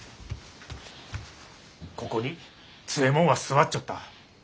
ここに津右衛門は座っちょった。